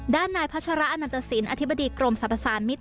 ด้านนายพัชระอนันตสินอธิบดีกรมสรรพสารมิตร